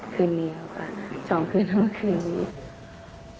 คืนเดียวกัน๒คืนเมื่อคืนนี้